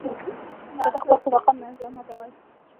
ته د خپل صداقت، زحمت او